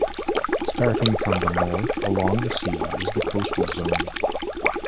Starting from the north along the sea is the coastal zone.